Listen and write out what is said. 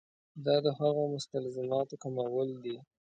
دا د هغو مستلزماتو کمول دي.